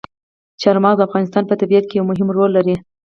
چار مغز د افغانستان په طبیعت کې یو مهم رول لري.